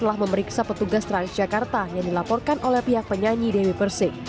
telah memeriksa petugas transjakarta yang dilaporkan oleh pihak penyanyi dewi persik